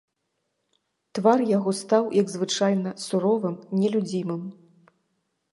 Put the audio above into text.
Твар яго стаў, як звычайна, суровым, нелюдзімым.